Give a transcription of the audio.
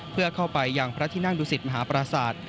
เพื่อเข้าไปยังพระที่นั่งดุสิตมหาปราศาสตร์